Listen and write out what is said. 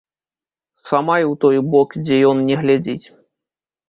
Сама і ў той бок, дзе ён, не глядзіць.